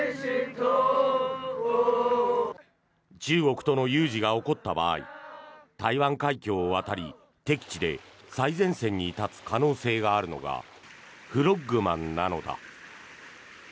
中国との有事が起こった場合台湾海峡を渡り敵地で最前線に立つ可能性があるのがフロッグマンなのだ。